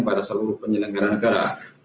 pada seluruh penyelenggara negara